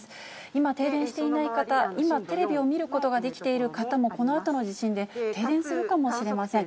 今、停電していない方、今、テレビを見ることができている方も、このあとの地震で停電するかもしれません。